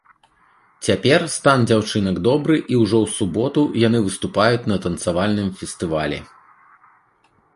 Цяпер стан дзяўчынак добры і ўжо ў суботу яны выступаюць на танцавальным фестывалі.